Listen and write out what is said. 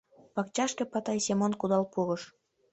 Пакчашке Патай Семон кудал пурыш.